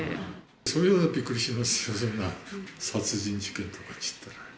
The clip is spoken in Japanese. そりゃびっくりしますよ、そんな、殺人事件なんて言ったら。